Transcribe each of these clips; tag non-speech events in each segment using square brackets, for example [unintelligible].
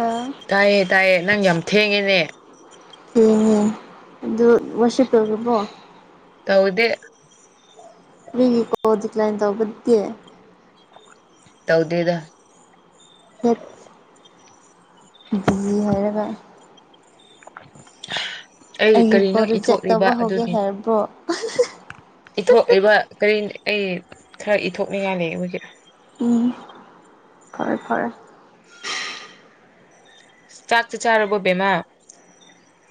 ꯑ ꯇꯥꯏꯌꯦ ꯇꯥꯏꯌꯦ ꯅꯪ ꯌꯥꯝ ꯊꯦꯡꯉꯦꯅꯦ ꯌꯦꯡꯉꯦ ꯑꯗꯨ ꯋꯥꯁꯤꯞ ꯂꯣꯢꯒ꯭ꯔꯕꯣ ꯇꯧꯗꯦ ꯐ꯭ꯔꯤꯒꯤ ꯇꯧꯗꯦꯗ ꯍꯦꯛ ꯕꯤꯖꯤ ꯍꯥꯏꯔꯒ [unintelligible] ꯑꯩꯒꯤ ꯀꯔꯤꯅꯣ ꯀꯣꯛ ꯔꯤꯖꯦꯛꯠ ꯏꯊꯣꯛꯂꯤꯕ ꯇꯧꯕ ꯍꯧꯒꯦ ꯍꯥꯏꯔꯕꯣ ꯏꯊꯣꯛꯏꯕ ꯀꯔꯤ ꯑꯩ ꯈꯔ ꯏꯊꯣꯛꯅꯤꯡꯉꯥꯏ ꯂꯩ ꯍꯩꯖꯤꯛ ꯎꯝ ꯐꯔꯦ ꯐꯔꯦ ꯆꯥꯛꯇꯤ ꯆꯥꯔꯕꯦ ꯕꯦꯃꯥ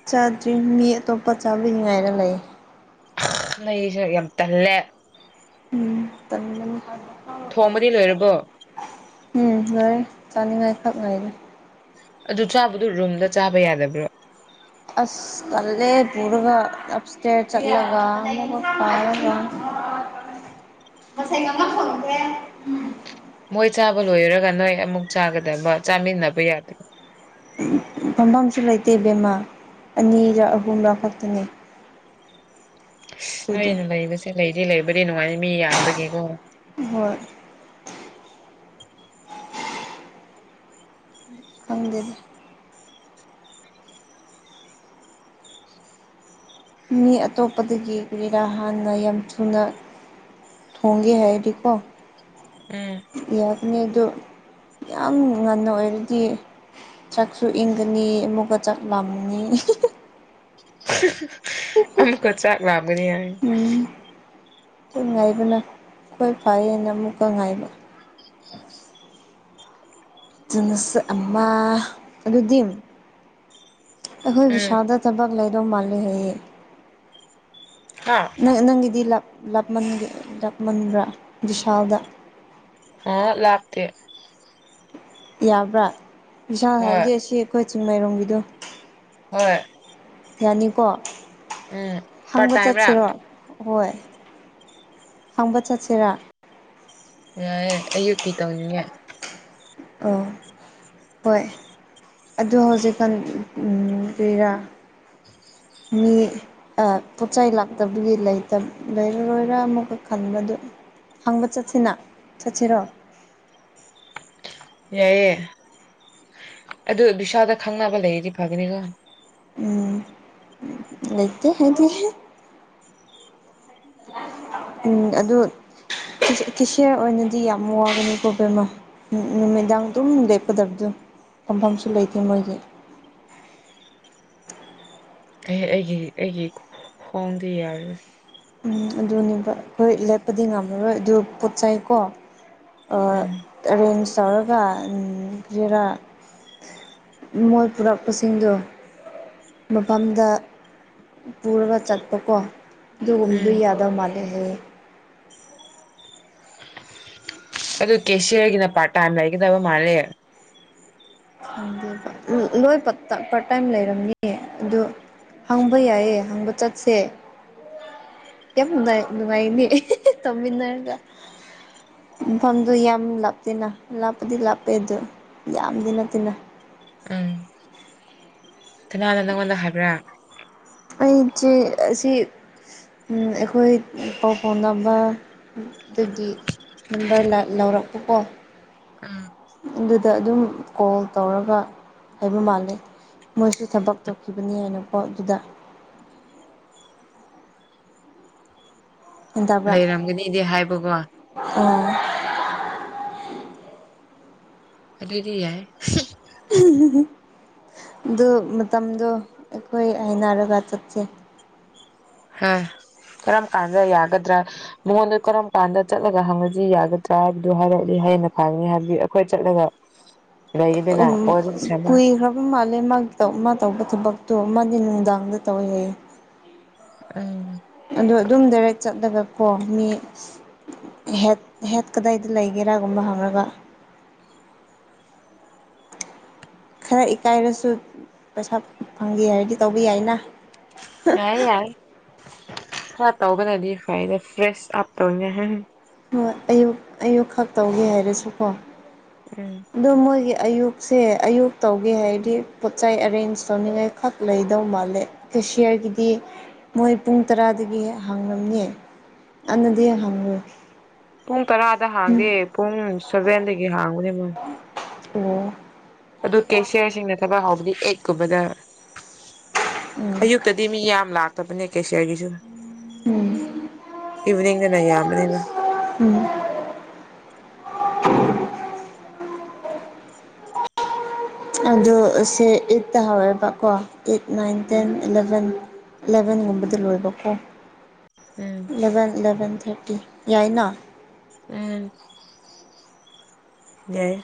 ꯆꯥꯗꯔꯤ ꯃꯤ ꯑꯇꯣꯞꯄ ꯆꯥꯕꯒꯤ ꯉꯥꯏꯔꯥ ꯂꯩ ꯃꯩꯖꯦ ꯌꯥꯝ ꯇꯜꯂꯦ ꯎꯝ ꯇꯥꯟꯕꯅꯦ ꯊꯣꯡꯕꯗꯤ ꯂꯣꯏꯔꯕꯣ ꯎꯝ ꯂꯣꯏꯔꯦ ꯆꯥꯅꯤꯡꯉꯥꯏꯈꯛ ꯉꯥꯏꯔꯦ ꯑꯗꯨ ꯆꯥꯕꯗꯨ ꯔꯨꯝꯗ ꯆꯥꯕ ꯌꯥꯗꯕ꯭ꯔꯣ ꯑꯁ ꯇꯜꯂꯦ ꯄꯨꯔꯒ ꯑꯞꯁꯇꯦꯠ ꯆꯠꯂꯒ ꯑꯃꯛ ꯀꯥꯔꯒ ꯉꯁꯥꯏ ꯑꯃ ꯐꯪꯈ꯭ꯔꯦ ꯃꯣꯏ ꯆꯥꯕ ꯂꯣꯏꯔꯒ ꯅꯣꯏ ꯑꯃꯨꯛ ꯆꯥꯒꯗꯕ ꯆꯥꯃꯤꯟꯅꯕ ꯌꯥꯗꯕ꯭ꯔꯣ ꯐꯝꯐꯝꯁꯨ ꯂꯩꯇꯦ ꯕꯦꯝꯃꯥ ꯑꯅꯤꯔ ꯑꯍꯨꯝꯂ ꯈꯛꯇꯅꯦ ꯑꯁ ꯑꯩꯈꯣꯏꯗꯣ ꯅꯣꯏꯅ ꯂꯩꯕꯁꯦ ꯂꯩꯗꯤ ꯂꯩꯕꯗꯤ ꯅꯨꯡꯉꯥꯏ ꯃꯤ ꯌꯥꯝꯕꯒꯤꯀꯣ ꯍꯣꯏ ꯈꯪꯗꯦꯗꯥ ꯃꯤ ꯑꯇꯣꯞꯄꯗꯒꯤ ꯀꯥꯔꯤꯔꯥ ꯍꯥꯟꯅ ꯌꯥꯝ ꯊꯨꯅ ꯍꯣꯡꯒꯦ ꯍꯥꯏꯔꯗꯤꯀꯣ ꯎꯝ ꯌꯥꯕꯅꯤ ꯑꯗꫭ ꯌꯥꯝ ꯉꯟꯅ ꯑꯣꯏꯔꯗꯤ ꯆꯥꯛꯁꯨ ꯏꯪꯒꯅꯤ ꯑꯃꯨꯛꯀ ꯆꯥꯛ ꯂꯥꯝꯒꯅꯤ ꯑꯃꯨꯛꯀ ꯆꯥꯛ ꯂꯝꯒꯅꯤ ꯍꯥꯏ ꯎꯝ ꯑꯗꯨ ꯉꯥꯏꯕꯅ ꯈꫭꯏ ꯐꯩꯌꯦꯅ ꯑꯃꯨꯛꯀ ꯉꯥꯏꯕ ꯆꯨꯅꯁ ꯑꯃ ꯑꯗꯨꯗꯤ ꯑꯩꯈꯣꯏ ꯎꯝ ꯕꯤꯁꯥꯜꯗ ꯊꯕꯛ ꯂꯩꯗꯧ ꯃꯥꯂ‌ꯦ ꯍꯥꯏꯌ‌ꯦ ꯍꯥ ꯅꯪ ꯅꯪꯒꯤꯗꯤ ꯂꯞ ꯂꯥꯞꯃꯟꯒꯦ ꯂꯥꯞꯃꯟꯕ꯭ꯔꯥ ꯕꯤꯁꯥꯜꯗ ꯑꯥ ꯂꯥꯞꯇ‌ꯦ ꯌꯥꯕ꯭ꯔꯥ ꯕꯤꯁꯥꯜ ꯍꯣꯏ ꯍꯥꯏꯕꯗꯤ ꯑꯁꯤ ꯑꯩꯈꯣꯏ ꯆꯤꯡꯃꯥꯏꯔꯣꯡꯒꯤꯗꯣ ꯍꯣꯏ ꯌꯥꯅꯤꯀꯣ ꯎꯝ ꯄꯥꯔꯠ ꯍꯪꯕ ꯇꯥꯏꯝꯔꯥ ꯆꯠꯁꯤꯔꯣ ꯍꯣꯏ ꯍꯪꯕ ꯆꯠꯁꯤꯔꯥ ꯌꯥꯏꯑꯦ ꯑꯌꯨꯛꯀꯤ ꯇꯧꯅꯤꯡꯉꯦ ꯑꯣ ꯍꯣꯏ ꯑꯗꯨ ꯍꯧꯖꯤꯛꯀꯥꯟ ꯀꯔꯤꯔꯥ ꯃꯤ ꯑ ꯄꯣꯠꯆꯩ ꯂꯥꯛꯇꯕꯒꯤ ꯂꯩꯇ ꯂꯩꯔꯔꯣꯏꯔꯥ ꯑꯃꯨꯛꯀ ꯈꯟꯕꯗꯨ ꯍꯪꯕ ꯆꯠꯁꯤꯅ ꯆꯠꯁꯤꯔꯣ꯫ ꯌꯥꯏꯌ‌ꯦ ꯑꯗꯨ ꯕꯤꯁꯥꯜꯗ ꯈꯪꯅꯕ ꯂꯩꯔꯗꯤ ꯐꯒꯅꯤꯀꯣ꯫ ꯎꯝ ꯂꯩꯇ‌ꯦ ꯑꯩꯗꯤ꯫ ꯎꯝ ꯑꯗꯨ ꯀꯦꯁꯤꯌꯥꯔ ꯑꯣꯏꯅꯗꯤ ꯌꯥꯝ ꯋꯥꯒꯅꯤ ꯄ꯭ꯔꯣꯕ꯭ꯂꯦꯝ ꯑꯃ ꯅꯨꯃꯤꯗꯥꯡ ꯑꯗꯨꯝ ꯂꯦꯞꯀꯗꯕꯗꯣ ꯐꯝꯐꯝꯁꯨ ꯂꯩꯇꯦ ꯃꯣꯏꯒꯤ ꯑꯦ ꯑꯩꯒꯤ ꯑꯩꯒꯤ ꯈꯣꯡꯗꯤ ꯌꯥꯔꯣꯏ ꯎꯝ ꯑꯗꯨꯅꯦꯕ ꯈꯣꯏ ꯂꯦꯞꯄꯗꯤ ꯉꯝꯃꯔꯣꯏ ꯑꯗꯨ ꯄꯣꯠꯆꯩꯀꯣ ꯑ ꯎꯝ ꯑꯔꯦꯟꯖ ꯇꯧꯔꯒ ꯀꯔꯤꯔꯥ ꯃꯣꯏ ꯄꯨꯔꯛꯄꯁꯤꯡꯗꯣ ꯃꯄꯥꯝꯗ ꯄꯨꯔꯒ ꯆꯠꯄꯀꯣ ꯑꯗꯨꯒꯨꯝꯕꯗꯨ ꯎꯝ ꯌꯥꯗꯕ ꯃꯥꯜ ꯑꯦꯍ‌ꯦ ꯑꯗꯨ ꯀꯦꯁꯤꯔꯒꯤꯅ ꯄꯥꯔꯠ ꯇꯥꯏꯝ ꯂꯩꯒꯗꯕ ꯃꯥꯜꯂꯦ [unintelligible] ꯂꯣꯏ ꯄꯠ ꯄꯥꯔꯠꯇꯥꯏꯝ ꯂꯩꯔꯝꯅꯤ ꯑꯗꯨ ꯍꯪꯕ ꯌꯥꯏꯌꯦ ꯍꯪꯕ ꯆꯠꯁꯦ꯫ ꯌꯥꯝ ꯅꯨꯡꯉꯥꯏ ꯅꯨꯡꯉꯥꯏꯅꯤ ꯇꯧꯃꯤꯟꯅꯔꯒ ꯃꯐꯝꯗꯨ ꯌꯥꯝ ꯂꯥꯞꯇꯦꯅ ꯂꯥꯞꯄꯗꯤ ꯂꯥꯞꯄꯦ ꯑꯗꯨ ꯌꯥꯝꯗꯤ ꯅꯠꯇꯦꯅ꯫ ꯎꯝ ꯀꯅꯥꯅ ꯅꯪꯉꯣꯟꯗ ꯍꯥꯏꯕ꯭ꯔꯥ꯫ ꯑꯩꯗꯤ ꯑꯁꯤ ꯎꯝ ꯑꯩꯈꯣꯏ ꯄꯥꯎ ꯐꯥꯎꯅꯕ ꯗꯒꯤ ꯅꯝꯕꯔ ꯂꯛ-ꯂꯧꯔꯛꯄꯀꯣ ꯎꯝ ꯑꯗꯨ ꯑꯗꯨꯗ ꯑꯗꯨꯝ ꯀꯣꯜ ꯇꯧꯔꯒ ꯂꯩꯕ ꯃꯥꯜꯂꯦ꯫ ꯃꯣꯏꯁꯨ ꯊꯕꯛ ꯇꯧꯈꯤꯕꯅꯤ ꯍꯥꯏꯅꯀꯣ ꯑꯗꯨꯗ꯫ ꯂꯩꯔꯝꯒꯅꯤꯗꯤ ꯍꯥꯏꯕꯀꯣ꯫ ꯑ ꯑꯗꯨꯗꯤ ꯌꯥꯏ ꯑꯗꯨ ꯃꯇꯝꯗꯣ ꯑꯩꯈꯣꯏ ꯍꯥꯏꯅꯔꯒ ꯆꯠꯁꯦ꯫ ꯍ ꯀꯔꯝ ꯀꯥꯟꯗ ꯌꯥꯒꯗ꯭ꯔꯥ꯫ ꯃꯉꯣꯟꯗ ꯀꯔꯝ ꯀꯥꯟꯗ ꯆꯠꯂꯒ ꯍꯪꯉꯗꯤ ꯌꯥꯒꯗ꯭ꯔꯥ ꯍꯥꯏꯕꯗꯨ ꯍꯥꯏꯔꯛꯑꯗꯤ ꯍꯦꯟꯅ ꯐꯒꯅꯤ ꯍꯥꯏꯕꯗꯤ ꯑꯩꯈꯣꯏ ꯆꯠꯂꯒ ꯂꯩꯒꯗꯅ ꯎꯝ ꯋꯥꯔꯤ ꯁꯥꯟꯅ ꯀꯨꯏꯈ꯭ꯔ ꯕ ꯃꯥꯜꯂꯦ ꯃꯥꯒꯤ ꯃꯥ ꯇꯧꯕ ꯊꯕꯛꯇꯣ ꯃꯥꯗꯤ ꯅꯨꯡꯗꯥꯡꯗ ꯇꯧꯋꯦ ꯍꯥꯏꯌ‌ꯦ꯫ ꯑꯝ ꯑꯗꯣ ꯑꯗꯨꯝ ꯗꯥꯏꯔꯦꯛ ꯆꯠꯂꯒ ꯀꯣ ꯃꯤ ꯍ‌ꯦꯠ ꯍꯦꯠ ꯀꯗꯥꯏꯗ ꯂꯩꯒꯦꯔꯥꯒꯨꯝꯕ ꯍꯪꯉꯒ꯫ ꯈꯔ ꯏꯀꯥꯏꯔꯁꯨ ꯄꯩꯁꯥ ꯐꯪꯒꯦ ꯍꯥꯏꯔꯗꯤ ꯇꯧꯕ ꯌꯥꯏꯅ꯫ ꯌꯥꯏ ꯌꯥꯏ ꯈꯔ ꯇꯧꯕꯅꯗꯤ ꯐꯩꯗ ꯐ꯭ꯔꯦꯁ ꯑꯞ ꯇꯧ [unintelligible] ꯍꯣꯏ ꯑꯌꯨꯛ ꯑꯌꯨꯛ ꯈꯛ ꯇꯧꯒꯦ ꯍꯥꯏꯔꯁꯨꯀꯣ꯫ ꯎꯝ꯫ ꯑꯗꯣ ꯃꯣꯏꯒꯤ ꯑꯌꯨꯛꯁꯦ ꯑꯌꯨꯛ ꯇꯧꯒꯦ ꯍꯥꯏꯔꯗꯤ ꯄꯣꯠꯆꯩ ꯑꯔꯦꯟꯖ ꯇꯧꯅꯤꯡꯉꯥꯏ ꯈꯛ ꯂꯩꯗꯧ ꯃꯥꯜꯂꯦ꯫ ꯀꯦꯁꯤꯌꯔꯒꯤꯗꯤ ꯃꯣꯏ ꯄꯨꯡ ꯇꯔꯥꯗꯒꯤ ꯍꯥꯡꯂꯝꯅꯤ꯫ ꯑꯟꯅꯗꯤ ꯍꯥꯡꯔꯣꯏ꯫ ꯄꯨꯡ ꯇꯔꯥꯗ ꯍꯥꯡꯗꯦ ꯄꯨꯡ ꯁꯚꯦꯟꯗꯒꯤ ꯍꯥꯡꯕꯅꯦ ꯃꯣꯏ꯫ ꯑꯣ꯫ ꯑꯗꯨ ꯀꯦꯁꯤꯌꯔꯁꯤꯡꯅ ꯊꯕꯛ ꯍꯧꯕꯗꯤ ꯑꯦꯛꯀꯨꯝꯕꯗ ꯎꯝ ꯑꯌꯨꯛꯇꯗꯤ ꯃꯤ ꯌꯥꯝ ꯂꯥꯛ ꯀꯦꯁꯤꯋꯥꯔꯒꯤꯁꯨ ꯎꯝ ꯏꯚꯅꯤꯡꯗꯅ ꯌꯥꯝꯕꯅꯦꯕ ꯎꯝ ꯑꯗꯣ ꯁꯦ ꯑꯦꯠꯇ ꯍꯧꯋꯦꯕꯀꯣ eight nine um ten eleven ꯑꯦꯂꯚꯦꯟꯒꯨꯝꯕꯗ ꯂꯣꯏꯕꯀꯣ ꯎꯝ ꯏꯂꯚꯦꯟ ꯑꯦꯂꯚꯦꯟ ꯊꯥꯔꯇꯤ ꯌꯥꯏꯅ ꯎꯝ ꯌꯥꯏ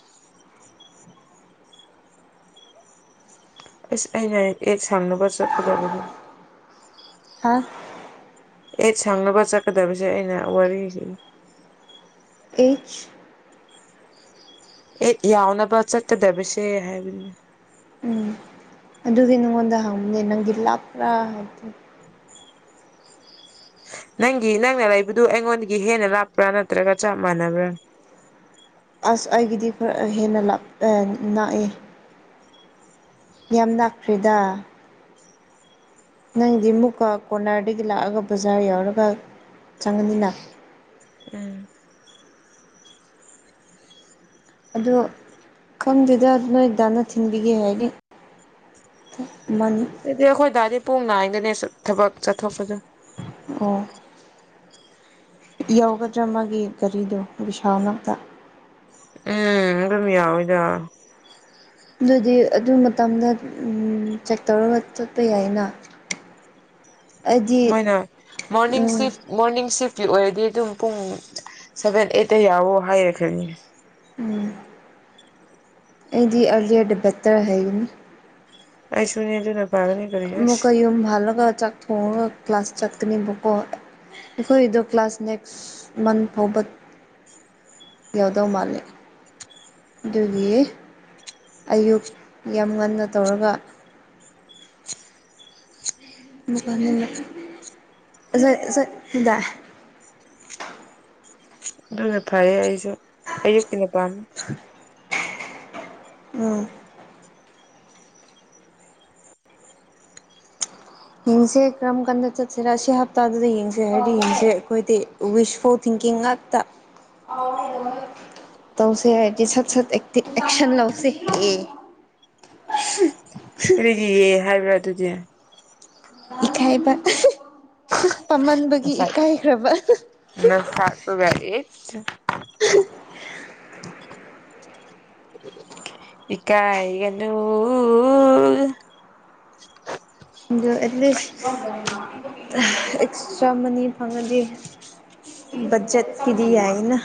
ꯑꯁ ꯑꯩꯅ ꯍꯦꯛ ꯁꯪꯕꯒ ꯆꯠꯀꯗꯕꯅꯤ ꯍꯥ ꯍꯦꯛ ꯁꯪꯕꯒ ꯆꯠꯀꯗꯕꯁꯦ ꯑꯩꯅ ꯋꯥꯔꯤꯁꯤ ꯑꯦꯠ ꯑꯦꯠ ꯌꯥꯎꯅꯕ ꯆꯒꯗꯕꯁꯦ ꯍꯥꯏꯕ ꯎꯝ ꯑꯗꯨꯗꯤ ꯅꯪꯉꯣꯟꯗ ꯍꯪꯕꯅꯦ ꯂꯥꯟꯄ꯭ꯔꯥ ꯍꯥꯏ ꯅꯪꯒꯤ ꯅꯪꯅ ꯂꯩꯕꯗꯨ ꯑꯩꯉꯣꯟꯗꯒꯤ ꯍꯦꯟꯅ ꯂꯥꯞꯄ꯭ꯔꯥ ꯅꯠꯇ꯭ꯔꯒ ꯆꯞ ꯃꯥꯟꯅꯕ꯭ꯔꯥ ꯑꯁ ꯑꯩꯒꯤꯗꯤ ꯈꯔ ꯍꯦꯟꯅ ꯂꯞꯄꯦ ꯅꯥꯛꯑꯦ ꯌꯥꯝ ꯂꯥꯞꯇ꯭ꯔꯦꯗ ꯅꯪꯗꯤ ꯑꯃꯨꯛꯀ ꯀꯣꯔꯅꯥꯔꯗꯒꯤ ꯂꯥꯛꯑꯒ ꯕꯖꯥꯔ ꯌꯥꯎꯔꯒ ꯆꯪꯉꯅꯤꯅ ꯎꯝ ꯑꯗꯣ ꯈꯪꯗꯦꯗ ꯅꯣꯏ ꯗꯥꯟꯅ ꯊꯤꯟꯕꯤꯒꯦ ꯍꯥꯏꯗꯤ ꯃꯥꯅꯤ ꯑꯗꯨꯗꯤ ꯑꯩꯈꯣꯏ ꯗꯥꯗꯤ ꯄꯨꯡ ꯅꯥꯏꯗꯦꯅꯦ ꯊꯕꯛ ꯆꯠꯊꯣꯛꯄꯁꯦ ꯑꯣ ꯌꯧꯒꯗ꯭ꯔꯥ ꯃꯥꯒꯤ ꯒꯥꯔꯤꯗꯣ ꯕꯤꯁꯥꯜ ꯅꯛꯇ ꯎꯝ ꯑꯗꯨꯝ ꯌꯥꯎꯋꯤꯗ ꯑꯗꯨꯗꯤ ꯑꯗꯨ ꯃꯇꯝꯗ ꯆꯦꯛ ꯇꯧꯔꯒ ꯆꯠꯄ ꯌꯥꯏꯅ ꯑꯩꯗꯤ ꯃꯣꯏꯅ ꯃꯣꯔꯅꯤꯡ ꯑꯝ ꯁꯤꯐ ꯃꯣꯔꯅꯤꯡ ꯁꯤꯐꯀꯤ ꯑꯣꯏꯔꯗꯤ ꯑꯗꯨꯝ ꯄꯨꯡ ꯁꯦꯚꯦꯟ ꯑꯩꯠꯇ ꯌꯥꯎꯋꯣ ꯍꯥꯏꯔꯛꯈ꯭ꯔꯦꯅꯦ ꯎꯝ ꯑꯩꯗꯤ ꯑꯔꯂꯤꯂꯤꯌꯥ [unintelligible] ꯍꯥꯏꯒꯅꯤ ꯑꯩꯁꯨꯨꯅꯤ ꯑꯗꯨꯅ ꯐꯥꯒꯅꯤ ꯑꯃꯨꯛꯀ ꯌꯨꯝ ꯍꯜꯂꯒ ꯆꯥꯛ ꯊꯣꯡꯉꯒ ꯀ꯭ꯂꯥꯁ ꯆꯠꯀꯅꯤꯕꯀꯣ ꯑꯩꯈꯣꯏꯗꯣ ꯀ꯭ꯂꯥꯁ ꯅꯦꯛꯁ ꯃꯟꯠ ꯐꯥꯎꯕ ꯌꯥꯎꯗꯧ ꯃꯥꯜꯂꯦ ꯑꯗꯨꯒꯤ ꯑꯌꯨꯛ ꯌꯥꯝ ꯉꯟꯅ ꯇꯧꯔꯒ ꯗ [unintelligible] ꯑꯗꯨꯅ ꯐꯩꯌꯦ ꯑꯩꯁꯨ ꯑꯌꯨꯛꯀꯤꯅ ꯄꯥꯝꯃꯦ ꯑꯝ ꯌꯦꯡꯁꯦ ꯀꯔꯝ ꯀꯥꯟꯗ ꯆꯠꯁꯤꯔ ꯑꯁꯤ ꯍꯞꯇꯗꯨꯗꯗꯤ ꯌꯦꯡꯁꯦ ꯍꯥꯏꯔꯗꯤ ꯌꯦꯡꯁꯦ ꯑꯩꯈꯣꯏꯗꯤ ꯋꯁ ꯐꯣꯔ ꯊꯤꯡꯀꯤꯡ ꯉꯥꯛꯇ ꯇꯧꯁꯦ ꯍꯥꯏꯔꯗꯤ ꯁꯠ ꯁꯠ ꯑꯦꯛꯁꯟ ꯂꯧꯁꯤ ꯑꯦ ꯀꯔꯤꯒꯤ ꯑꯦ ꯍꯥꯏꯕ꯭ꯔꯥ ꯑꯗꯨꯗꯤ ꯏꯀꯥꯏꯕ ꯄꯥꯝꯃꯟꯕꯒꯤ ꯏꯀꯥꯏꯈ꯭ꯔꯕ ꯅꯁꯥꯥꯛꯇꯨꯒ ꯢꯁ ꯏꯀꯥꯏꯒꯅꯨ ꯑꯗꯣ ꯑꯦꯠꯂꯤꯁ ꯑꯦꯛꯁꯇ꯭ꯔꯥ ꯑꯅꯤ ꯐꯪꯉꯗꯤ ꯕꯆꯠꯀꯤꯗꯤ ꯌꯥꯏꯅ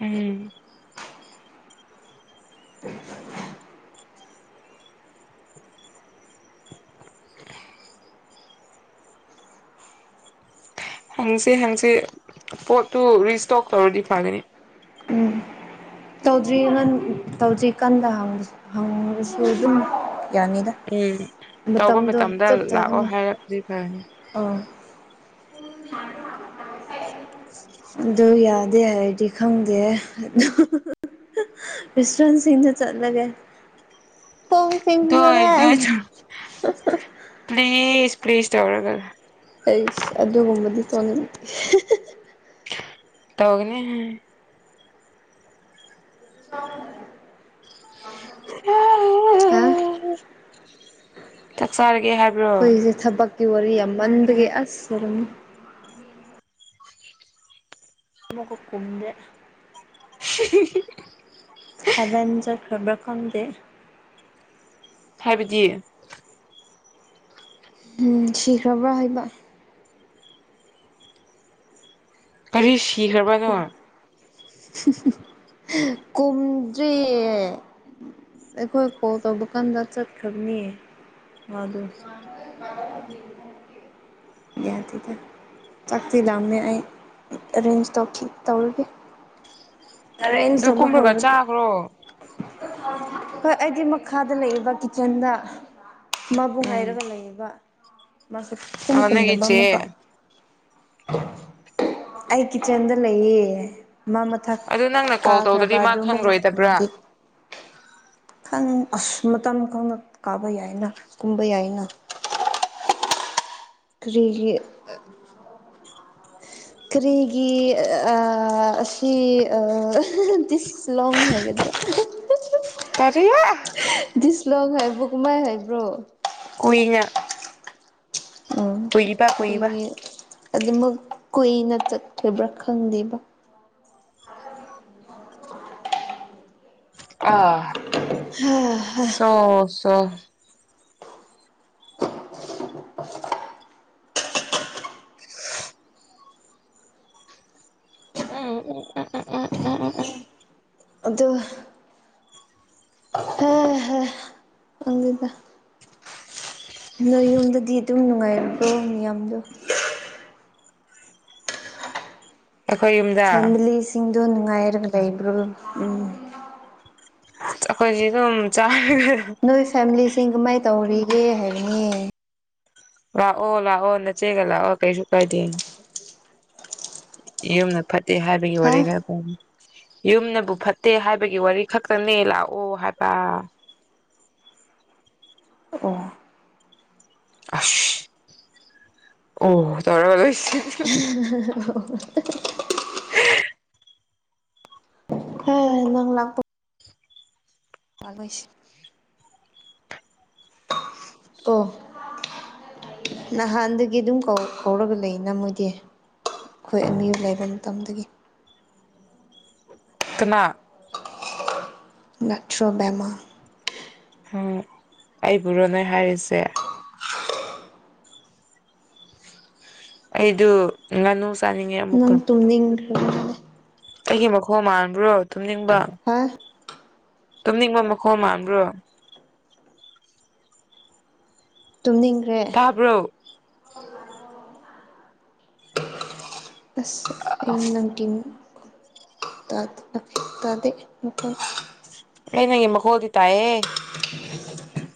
ꯎꯝ [unintelligible] ꯍꯪꯁꯦ ꯍꯪꯁꯦ ꯄꯣꯠꯇꯨ ꯔꯤꯏꯁꯇꯣꯛ ꯇꯧꯔꯗꯤ ꯐꯒꯅꯤ ꯎꯝ ꯇꯧꯗ꯭ꯔꯤ ꯉꯟ ꯇꯧꯗ꯭ꯔꯤ ꯀꯟꯗ ꯍꯪ ꯍꯪꯁꯤ ꯑꯗꯨꯝ ꯌꯥꯅꯤꯗ ꯎꯝ ꯇꯧꯕ ꯃꯇꯝꯗꯣ ꯃꯇꯝꯗ ꯆꯞ ꯂꯥꯛꯑꯣ ꯆꯥꯒꯅꯤ ꯍꯥꯏꯔꯛꯄꯗꯤ ꯐꯅꯤ ꯑꯥ ꯑꯗꯨ ꯌꯥꯗꯦ ꯍꯥꯏꯔꯗꯤ ꯈꯪꯗꯦ ꯑꯗꯨ [unintelligible] ꯆꯠꯂꯒꯦ ꯗꯣꯏ [unintelligible] ꯄ꯭ꯂꯤꯁ ꯄ꯭ꯂꯤꯁ ꯇꯧꯔꯒ ꯑꯩ ꯑꯗꯨꯒꯨꯝꯕꯗꯤ ꯇꯧꯅꯤꯡꯗꯦ ꯇꯧꯒꯅꯤ [unintelligible] [unintelligible] ꯍꯥ ꯆꯥꯛ ꯆꯔꯒꯦ ꯍꯥꯏꯔ ꯑꯩꯈꯣꯏꯁꯦ ꯊꯕꯛꯀꯤ ꯋꯥꯔꯤ ꯌꯥꯝꯃꯟꯕꯒꯤ ꯑꯁ ꯑꯣꯏꯔꯝꯃꯤ [unintelligible] [unintelligible] ꯍꯦꯕꯦꯟ ꯆꯠꯈꯔ꯭ꯕ꯭ꯔ ꯈꯪꯗꯦ ꯍꯥꯏꯕꯗꯤ ꯎꯝ ꯁꯤꯈ꯭ꯔꯕ꯭ꯔꯥ ꯍꯥꯏꯕ ꯀꯔꯤ ꯁꯤꯈ꯭ꯔꯕꯅꯣ ꯀꯨꯝꯗ꯭ꯔꯤꯌꯦ ꯑꯩꯈꯣꯏ ꯀꯣꯜ ꯇꯧꯕꯀꯥꯟꯗ ꯆꯠꯈ꯭ꯔꯕꯅꯤ ꯑꯗꯨ ꯌꯥꯗꯦꯗ ꯆꯥꯛꯇꯤ ꯂꯥꯝꯃꯦ ꯑꯩ ꯑꯦꯔꯦꯟꯁ ꯇꯧꯔꯒꯦ ꯑꯦꯔꯦꯟꯖ ꯑꯗꯨ ꯇꯧꯕ ꯀꯨꯝꯔꯒ ꯍꯧꯔꯒꯦ ꯆꯥꯈ꯭ꯔꯣ ꯍꯣꯏ ꯑꯩꯗꯤ ꯃꯈꯥꯗ ꯂꯩꯔꯤꯕ ꯀꯤꯆꯟꯗ ꯃꯥꯕꯨꯨꯡ ꯎꯝ ꯉꯥꯏꯔꯒ ꯂꯩꯌꯦꯕ ꯃꯥ ꯁꯨꯀꯨꯝ ꯅꯪꯒꯤ ꯀꯨꯝꯗꯕ ꯆꯦ ꯑꯃꯨꯛꯀ [unintelligible] ꯑꯩ ꯀꯤꯠꯆꯟꯗ ꯂꯩꯌꯦ ꯃꯥ ꯃꯊꯛ ꯑꯗꯨ ꯅꯪꯅ ꯀꯣꯜ ꯀꯥꯈ꯭ꯔꯕ ꯇꯧꯗ꯭ꯔꯗꯤ ꯃꯥ ꯑꯗꯨ ꯑꯃꯨꯛꯀ ꯈꯪꯔꯣꯏꯗꯕ꯭ꯔꯥ ꯀꯨꯝꯗꯦ ꯈꯪ ꯑꯁ ꯃꯇꯝ ꯈꯪꯅ ꯀꯥꯕ ꯌꯥꯏꯅ ꯀꯨꯝꯕ ꯌꯥꯏꯅ ꯀꯔꯤꯒꯤ ꯀꯔꯤꯒꯤ ꯑꯁꯤ ꯗꯤꯁ ꯂꯣꯡ ꯍꯥꯏꯒꯗ꯭ꯔꯥ [unintelligible] ꯀꯔꯤꯕ ꯗꯤꯁꯂꯣꯡ ꯍꯥꯏꯕꯨ ꯀꯨꯃꯥꯏ ꯍꯥꯏꯕ꯭ꯔꯣ ꯀꯨꯏꯅ ꯎꯝ ꯀꯨꯏꯕ ꯀꯨꯏꯕ ꯀꯔꯤꯒꯤ ꯑꯗꯨꯃꯛ ꯀꯨꯏꯅ ꯆꯠꯈꯤꯕ꯭ꯔꯥ ꯈꯪꯗꯦꯕ ꯑ ꯍꯥ ꯍꯥ ꯑꯣ ꯁꯣ [unintelligible] [unintelligible] ꯎꯝ ꯎꯝ ꯎꯝ ꯎꯝ ꯎꯝ ꯎꯝ ꯎ ꯎꯝ ꯑꯗꯨ ꯍ ꯑꯗꯨꯗ ꯅꯣꯏ ꯌꯨꯝꯗꯗꯤ ꯑꯗꯨꯝ ꯅꯨꯡꯉꯥꯏꯔꯕ꯭ꯔꯣ ꯃꯤꯌꯥꯝꯗꯣ ꯑꯩꯈꯣꯏ ꯌꯨꯝꯗ ꯐꯦꯃꯤꯂꯤꯁꯤꯡꯗꯣ ꯅꯨꯡꯉꯥꯏꯔꯒ ꯂꯩꯕ꯭ꯔꯣ ꯎ ꯑꯩꯈꯣꯏꯁꯤ ꯑꯗꯨꯝ ꯆꯥꯔꯒ ꯅꯣꯏ ꯐꯦꯃꯤꯂꯤꯁꯤꯡ ꯀꯃꯥꯏ ꯇꯧꯔꯤꯒꯦ ꯍꯥꯏꯕꯅꯦ ꯂꯥꯛꯑꯣ ꯂꯥꯛꯑꯣ ꯅꯆꯦꯒ ꯂꯥꯛꯑꯣ ꯀꯩꯁꯨ ꯀꯥꯏꯗꯦ ꯌꯨꯝꯅ ꯐꯠꯇꯦ ꯍꯥꯏꯕꯒꯤ ꯍꯥ ꯋꯥꯔꯤ ꯈꯔ ꯌꯨꯝꯅꯕꯨ ꯐꯠꯇꯦ ꯍꯥꯏꯕꯒꯤ ꯋꯥꯔꯤ ꯈꯛꯇꯪꯅꯦ ꯂꯥꯛꯑꯣ ꯍꯥꯏꯕ ꯑꯣ ꯑꯁ ꯑꯣ ꯇꯧꯔ ꯂꯣꯏꯁꯤ [unintelligible] ꯍ ꯅꯪ ꯂꯥꯛꯄꯣ ꯄꯥꯂꯣꯏꯁꯤ ꯑꯣ ꯅꯍꯥꯟꯗꯒꯤ ꯑꯗꯨꯝ ꯀꯧ ꯀꯧꯔꯒ ꯂꯩ ꯅ ꯃꯣꯏꯗꯤ ꯑꯩꯈꯣꯏ ꯑꯅꯤ ꯂꯩꯕ ꯃꯇꯝꯗꯒꯤ ꯀꯅꯥ ꯅꯠꯇ꯭ꯔꯣ ꯕꯦꯃꯥ ꯎꯝ ꯑꯩꯕꯨꯔꯣ ꯅꯣꯏ ꯍꯥꯏꯔꯤꯁꯦ ꯑꯩꯗꯨ ꯉꯥꯅꯨ ꯆꯥꯅꯤꯡꯉꯦ ꯑꯃꯨꯛꯀ ꯇꯨꯝꯅꯤꯡꯈ꯭ꯔꯕꯅꯦ ꯑꯩꯒꯤ ꯃꯈꯣꯡ ꯃꯥꯟꯕꯣ ꯇꯨꯝꯅꯤꯡꯕ ꯑ ꯇꯨꯝꯅꯤꯡꯕ ꯃꯈꯣꯟ ꯃꯟꯕ꯭ꯔꯣ ꯇꯨꯝꯅꯤꯡꯈ꯭ꯔꯦ ꯇꯥꯕ꯭ꯔꯣ [unintelligible] ꯑꯁ ꯑꯩ ꯅꯪ ꯀꯝ ꯇꯥꯗ ꯇꯥꯗꯦ ꯑꯩ ꯅꯪꯒꯤ ꯃꯈꯣꯜꯗꯤ ꯇꯥꯌꯦ [unintelligible]